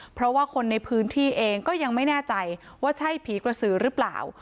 เพราะว่าคนในพื้นที่เองก็ยังไม่แน่ใจว่าใช่ผีกระสือหรือเปล่า